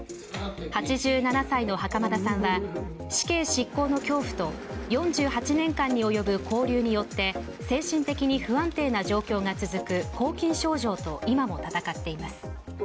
８７歳の袴田さんは死刑執行の恐怖と４８年間に及ぶ拘留によって精神的に不安定な状態が続く拘禁症状と今も闘っています。